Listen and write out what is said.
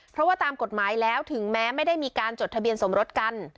เพราะว่าตามกฎหมายแล้วถึงแม้ไม่ได้มีการจดทะเบียนสมรสกัน